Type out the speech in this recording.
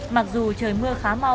mặc dù trời mưa khá mau